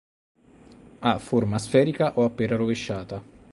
Ha forma sferica o a pera rovesciata.